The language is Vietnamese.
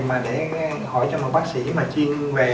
mà để hỏi cho một bác sĩ mà chia về